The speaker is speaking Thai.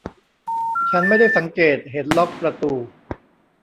ฉันไม่ได้สังเกตเห็นล็อคประตู